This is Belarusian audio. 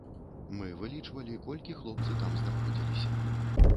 Мы вылічвалі, колькі хлопцы там знаходзіліся.